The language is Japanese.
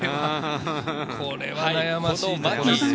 これは悩ましい。